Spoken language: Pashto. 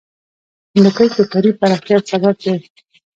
هندوکش د ښاري پراختیا یو سبب دی.